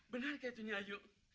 benar kaya itu nyanyi